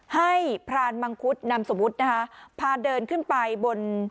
พรานมังคุดนำสมมุตินะคะพาเดินขึ้นไปบน